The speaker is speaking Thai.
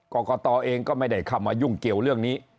กรกตเองก็ไม่ได้เข้ามายุ่งเกี่ยวเรื่องนี้